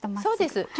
そうです。